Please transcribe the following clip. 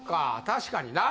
確かにな。